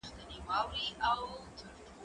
زه اوږده وخت انځور ګورم وم؟!